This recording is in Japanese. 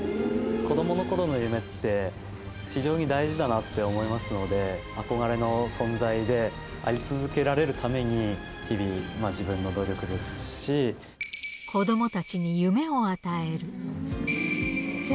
子どものころの夢って、非常に大事だなって思いますので、憧れの存在であり続けられるため子どもたちに夢を与える。